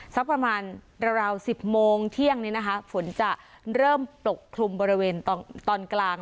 สักประมาณราว๑๐โมงเที่ยงนี้นะคะฝนจะเริ่มปกคลุมบริเวณตอนกลาง